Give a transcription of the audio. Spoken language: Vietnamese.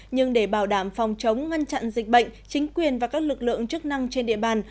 nhưng để bảo đảm phòng chống ngăn chặn dịch bệnh chính quyền và các lực lượng chức năng trên địa bàn